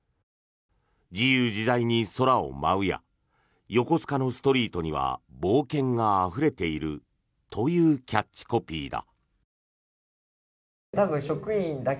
自由自在に空を舞うや横須賀のストリートには冒険があふれているというキャッチコピーだ。